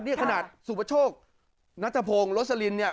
นี่ขนาดสุปโชคนัทพงศ์โรสลินเนี่ย